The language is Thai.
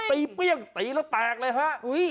ตีแล้วแตกเลยฮะ